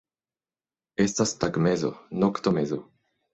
Estas tagmezo, noktomezo.